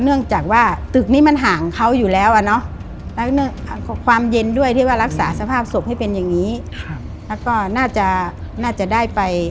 เนื่องจากว่าตึกนี้มันห่างเขาอยู่แล้วความเย็นด้วยเรื่องรักษาสภาพสมุมจะเป็นอย่างนี้